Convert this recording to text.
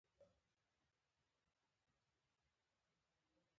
دستمال او رومال